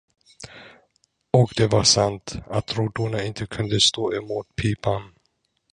Och det var sant, att råttorna inte kunde stå emot pipan.